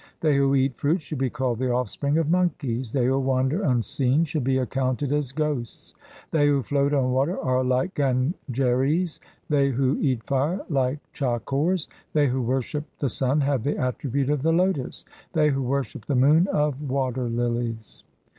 They who eat fruit should be called the offspring of monkeys ; they who wander unseen should be accounted as ghosts. They who float on water are like gangeris ; 1 they who eat fire like chakors ; They who worship the sun have the attribute of the lotus ; they who worship the moon of water lilies.